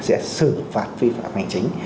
sẽ xử phạt phi phạm hành chính